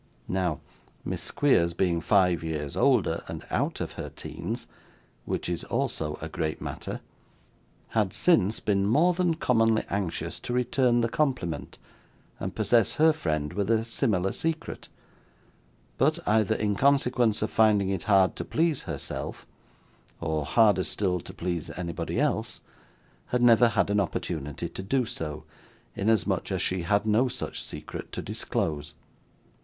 Now, Miss Squeers being five years older, and out of her teens (which is also a great matter), had, since, been more than commonly anxious to return the compliment, and possess her friend with a similar secret; but, either in consequence of finding it hard to please herself, or harder still to please anybody else, had never had an opportunity so to do, inasmuch as she had no such secret to disclose.